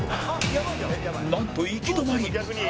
なんと行き止まり